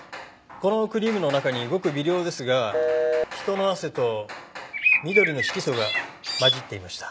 このクリームの中にごく微量ですが人の汗と緑の色素が混じっていました。